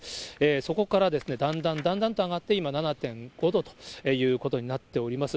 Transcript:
そこからだんだんだんだんと上がって、今７．５度ということになっております。